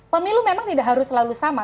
pemilu memang tidak harus selalu sama